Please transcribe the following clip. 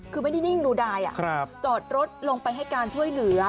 คือไม่ได้นิ่งดูดายจอดรถลงไปให้การช่วยเหลือ